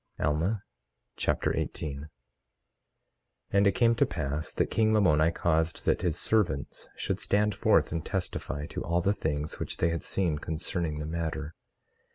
Alma Chapter 18 18:1 And it came to pass that king Lamoni caused that his servants should stand forth and testify to all the things which they had seen concerning the matter.